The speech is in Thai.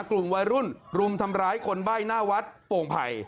กลุ่มวัยรุ่นรุมทำร้ายคนใบ้หน้าวัดโป่งไผ่